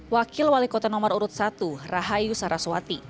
wakil wali kota nomor urut satu rahayu saraswati